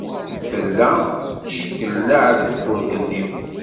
Tella tetteckellaɛ deg ufurk-nni.